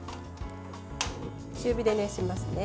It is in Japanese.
中火で熱しますね。